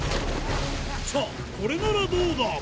さぁこれならどうだ？